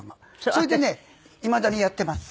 それでねいまだにやっています。